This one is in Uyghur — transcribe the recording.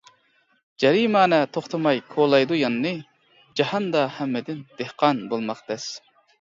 جەرىمانە توختىماي كولايدۇ ياننى، جاھاندا ھەممىدىن دېھقان بولماق تەس.